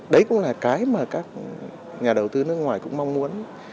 đấy cũng là cái mà các nhà đầu tư nước ngoài cũng mong muốn